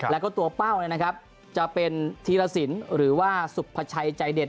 และตัวเป้าจะเป็นธีรศิลป์หรือว่าสุพชายใจเด็ด